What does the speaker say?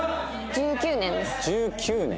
１９年？